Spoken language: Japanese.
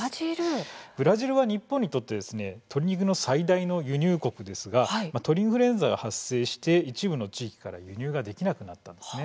ブラジルは日本にとって鶏肉の最大の輸入国ですが鳥インフルエンザが発生して一部の地域から輸入ができなくなったんですね。